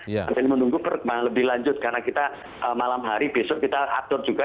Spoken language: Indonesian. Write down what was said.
dan menunggu lebih lanjut karena kita malam hari besok kita atur juga